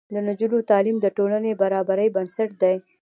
د نجونو تعلیم د ټولنې برابرۍ بنسټ دی.